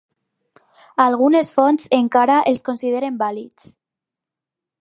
Algunes fonts encara els consideren vàlids.